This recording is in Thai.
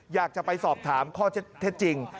อยากจะไปสอบถามข้อเท็จจริง